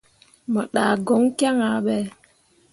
Mo ɗah goŋ kyaŋ ah ɓe.